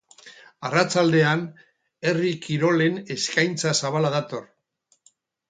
Arratsaldean, herri kirolen eskaintza zabala dator.